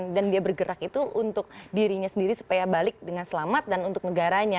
dan dia bergerak itu untuk dirinya sendiri supaya balik dengan selamat dan untuk negaranya